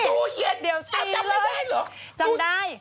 ตู้เย็นจำไม่ได้เหรอเดี๋ยวตีนึงจำได้